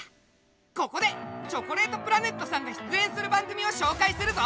ここでチョコレートプラネットさんが出演する番組を紹介するぞ！